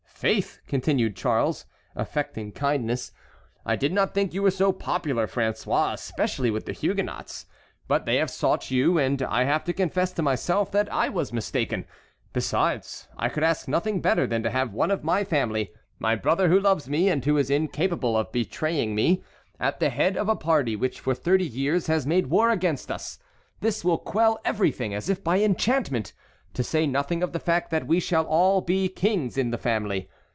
"Faith!" continued Charles, affecting kindness, "I did not think you were so popular, François, especially with the Huguenots. But they have sought you, and I have to confess to myself that I was mistaken. Besides, I could ask nothing better than to have one of my family—my brother who loves me and who is incapable of betraying me—at the head of a party which for thirty years has made war against us. This will quell everything as if by enchantment, to say nothing of the fact that we shall all be kings in the family.